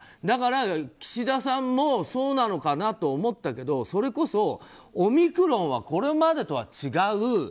だから、岸田さんもそうなのかなと思ったけどそれこそオミクロンはこれまでとは違う。